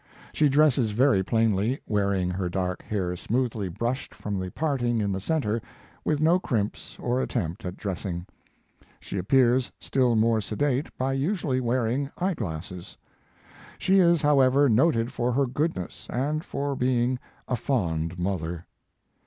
She dresses very plainly, wearing her dark hair smoothly brushed from the parting in the center, with no crimps or attempt at dressing. She appears still more sedate by usually wearing eye glasses. She is, however, noted for her goodness and for being a fond mother.